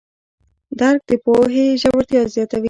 درک د پوهې ژورتیا زیاتوي.